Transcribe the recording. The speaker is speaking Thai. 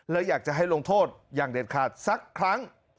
และอยากจะให้ลงโทษอย่างเด็ดขาดสักครั้ง